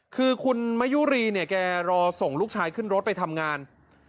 คือคุณมะยุรีเนี่ยแกรอส่งลูกชายขึ้นรถไปทำงาน